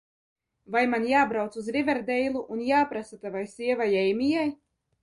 Vai man jābrauc uz Riverdeilu un jāprasa tavai sievai Eimijai?